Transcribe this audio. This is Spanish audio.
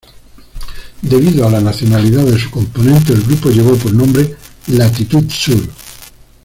Debido a la nacionalidad de sus componentes, el grupo llevó por nombre "Latitud Sur".